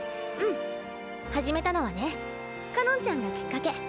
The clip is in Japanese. うん始めたのはねかのんちゃんがきっかけ。